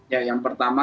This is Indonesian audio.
ya yang pertama